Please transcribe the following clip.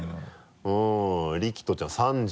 うんリキトちゃん３０？